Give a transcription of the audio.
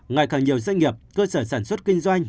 ngày càng nhiều doanh nghiệp cơ sở sản xuất kinh doanh